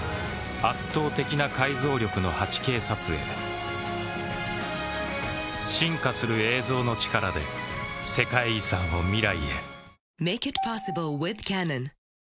圧倒的な解像力の８Ｋ撮影進化する映像の力で世界遺産を未来へ